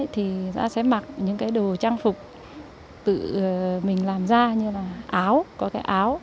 thì sẽ mặc những đồ trang phục tự mình làm ra như là áo có cái áo